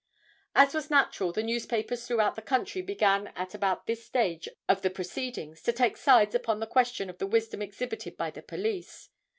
As was natural, the newspapers throughout the country began at about this stage of the proceedings to take sides upon the question of the wisdom exhibited by the police.